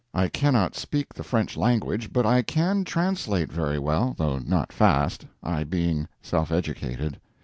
I cannot speak the French language, but I can translate very well, though not fast, I being self educated.